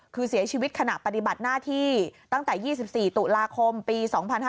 คือเสียชีวิตขณะปฏิบัติหน้าที่ตั้งแต่๒๔ตุลาคมปี๒๕๕๙